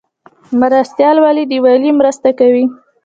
مرستیال والی د والی مرسته کوي